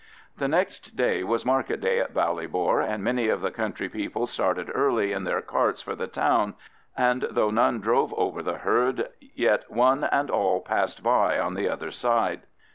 The next day was market day in Ballybor, and many of the country people started early in their carts for the town, and though none drove over the herd, yet one and all passed by on the other side.